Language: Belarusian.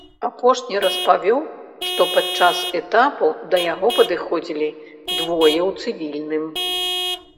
Апошні распавёў, што падчас этапу да яго падыходзілі двое ў цывільным.